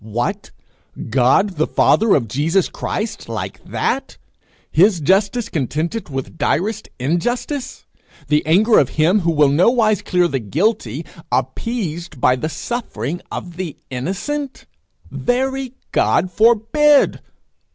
What! God, the father of Jesus Christ, like that! His justice contented with direst injustice! The anger of him who will nowise clear the guilty, appeased by the suffering of the innocent! Very God forbid!